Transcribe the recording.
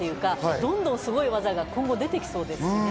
どんどんすごい技が今後出てきそうですね。